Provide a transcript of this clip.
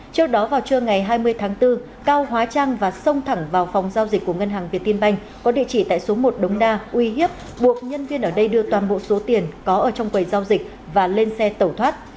trước đó vào trưa ngày hai mươi tháng bốn cao hóa trang và xông thẳng vào phòng giao dịch của ngân hàng việt tiên banh có địa chỉ tại số một đống đa uy hiếp buộc nhân viên ở đây đưa toàn bộ số tiền có ở trong quầy giao dịch và lên xe tẩu thoát